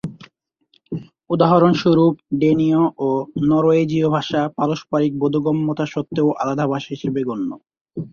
উদাহরণস্বরূপ, ডেনীয় ও নরওয়েজীয় ভাষা পারস্পারিক বোধগম্যতা সত্ত্বেও আলাদা ভাষা হিসেবে গণ্য।